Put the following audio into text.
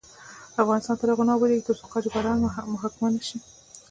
افغانستان تر هغو نه ابادیږي، ترڅو قاچاقبران محاکمه نشي.